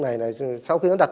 các đối tượng này